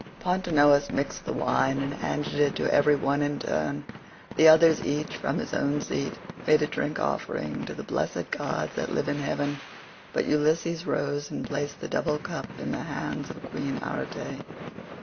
Pontonous mixed the wine and handed it to every one in turn; the others each from his own seat made a drink offering to the blessed gods that live in heaven, but Ulysses rose and placed the double cup in the hands of queen Arete.